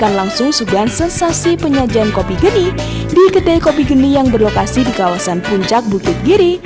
dan langsung sugan sensasi penyajian kopi geni di ketai kopi geni yang berlokasi di kawasan puncak bukit giri